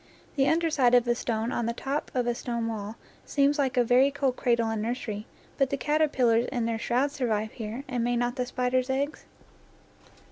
The under side of a stone on the top of a stone wall seems like a very cold cradle and nursery, but the caterpillars in their shrouds survive here, and may not the spiders' eggs?